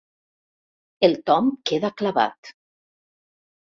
El Tom queda clavat.